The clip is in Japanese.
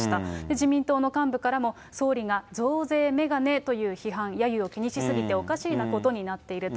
自民党の幹部からも、総理が増税メガネという批判、やゆを気にし過ぎておかしなことになっていると。